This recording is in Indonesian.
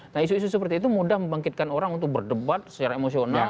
nah isu isu seperti itu mudah membangkitkan orang untuk berdebat secara emosional